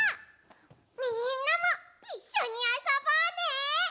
みんなもいっしょにあそぼうね！